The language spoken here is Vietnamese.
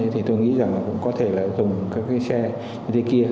thì tôi nghĩ rằng là cũng có thể là dùng các cái xe như thế kia